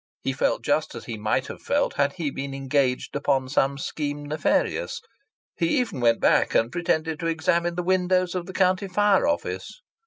He felt just as he might have felt had he been engaged upon some scheme nefarious. He even went back and pretended to examine the windows of the County Fire Office.